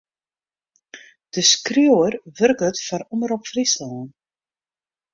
De skriuwer wurket foar Omrop Fryslân.